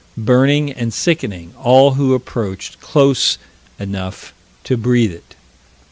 burning and sickening all who approached close enough to breathe it."